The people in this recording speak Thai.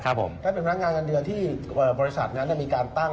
ท่านเป็นพนักงานเงินเดือนที่บริษัทนั้นมีการตั้ง